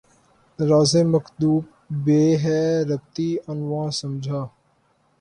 رازِ مکتوب بہ بے ربطیٴ عنواں سمجھا